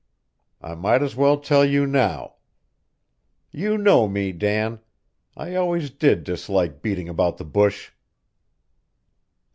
I might as well tell you now. You know me, Dan. I always did dislike beating about the bush."